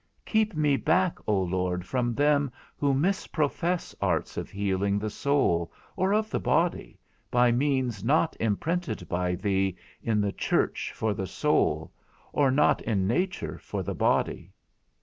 _ Keep me back, O Lord, from them who misprofess arts of healing the soul, or of the body, by means not imprinted by thee in the church for the soul, or not in nature for the body.